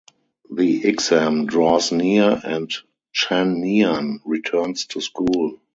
The exam draws near and Chen Nian returns to school.